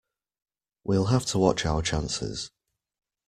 We'll have to watch our chances.